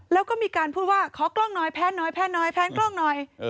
แล้วก็มีการพูดว่าขอกล้องน้อยแพนน้อยแพนกล้องน้อย